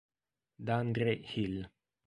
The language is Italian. D'Andre Hill